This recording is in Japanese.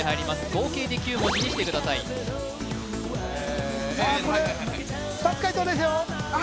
合計で９文字にしてくださいさあこれ２つ解答ですよああ